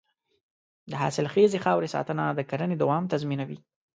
د حاصلخیزې خاورې ساتنه د کرنې دوام تضمینوي.